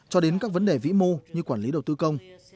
cho đến các vấn đề vĩ mô như quản lý đầu tư công